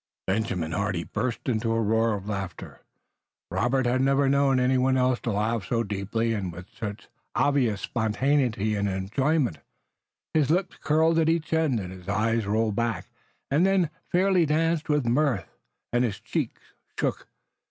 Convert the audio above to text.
Benjamin Hardy burst into a roar of laughter. Robert had never known any one else to laugh so deeply and with such obvious spontaneity and enjoyment. His lips curled up at each end, his eyes rolled back and then fairly danced with mirth, and his cheeks shook.